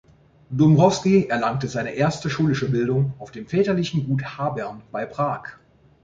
Dombrowski erlangte seine erste schulische Bildung auf dem väterlichen Gut Habern bei Prag.